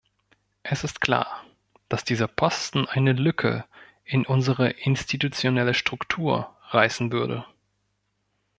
Es ist klar, dass dieser Posten eine Lücke in unsere institutionelle Struktur reißen würde.